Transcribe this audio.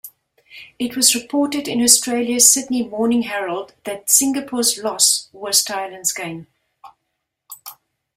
It was reported in Australia's Sydney Morning Herald that Singapore's loss was Thailand's gain.